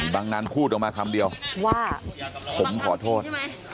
ดังนั้นพูดออกมาคำเดียวว่าผมขอโทษ